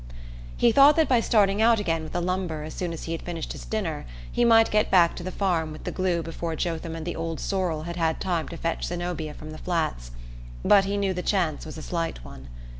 He thought that by starting out again with the lumber as soon as he had finished his dinner he might get back to the farm with the glue before Jotham and the old sorrel had had time to fetch Zenobia from the Flats; but he knew the chance was a slight one.